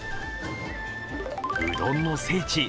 うどんの聖地